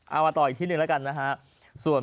เอามาต่ออีกที่หนึ่งแล้วกันนะฮะ